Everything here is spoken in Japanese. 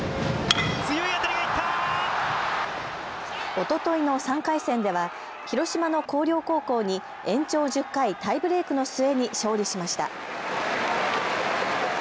おとといの３回戦では広島の広陵高校に延長１０回タイブレークの末に勝利しました。